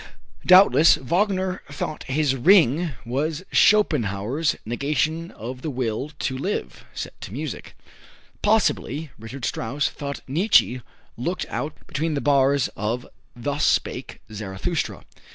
Doubtless, Wagner thought his "Ring" was Schopenhauer's "Negation of the Will to Live" set to music. Possibly, Richard Strauss thought Nietzsche looked out between the bars of "Thus Spake Zarathustra."